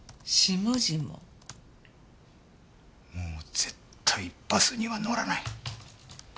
もう絶対バスには乗らない。